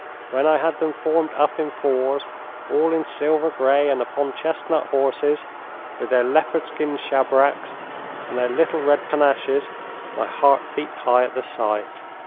When I had them formed up in fours, all in silver grey and upon chestnut horses, with their leopard skin shabracks and their little red panaches, my heart beat high at the sight.